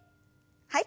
はい。